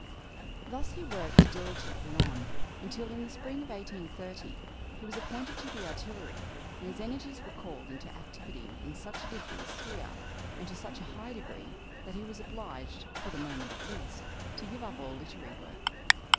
Thus he worked diligently on, until, in the spring of 1830, he was appointed to the artillery, and his energies were called into activity in such a different sphere, and to such a high degree, that he was obliged, for the moment at least, to give up all literary work.